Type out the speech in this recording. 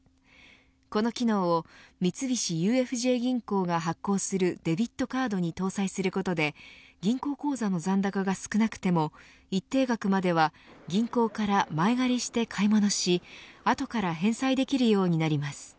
この機能を三菱ＵＦＪ銀行が発行するデビットカードに搭載することで銀行口座の残高が少なくても一定額までは銀行から前借りして買い物し後から返済できるようになります。